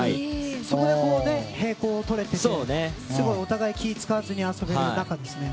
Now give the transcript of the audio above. そこで平衡をとれているお互い気を遣わずに遊べる仲ですね。